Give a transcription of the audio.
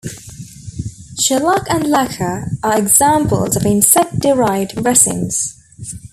Shellac and lacquer are examples of insect-derived resins.